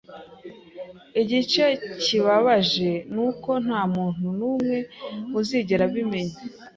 Igice kibabaje nuko ntamuntu numwe uzigera abimenya